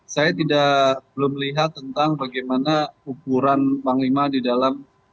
saya belum melihat tentang bagaimana ukuran panglima di dalam